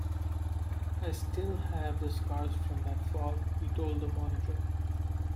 "I still have the scars from that fall," he told the Monitor.